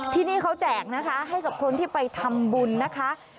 ที่นี่เขาแจกนะคะให้กับคนที่ไปทำบุญนะคะ